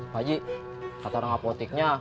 pak ji kata orang apoteknya